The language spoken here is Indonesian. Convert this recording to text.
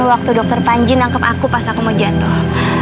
waktu dokter panji nangkep aku pas aku mau jatuh